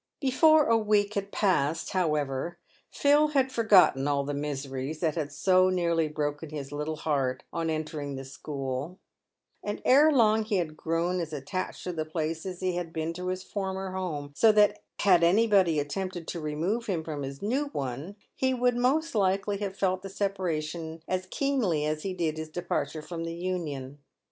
Before a week had passed, however, Phil had forgotten all the miseries that had so nearly broken his little heart on entering the school ; and ere long he had grown as attached to the place as he had been to his former home, so that had anybody attempted to remove him from his new one, he would most likely have felt the separation as keenly as he did his departure from the Union.